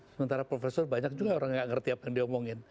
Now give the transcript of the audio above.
sementara profesor banyak juga orang yang nggak ngerti apa yang diomongin